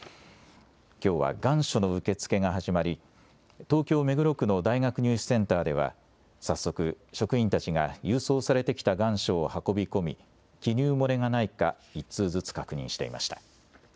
きょうは願書の受け付けが始まり、東京・目黒区の大学入試センターでは、早速、職員たちが郵送されてきた願書を運び込み、記入漏れがないか、１通ずつ確認していました。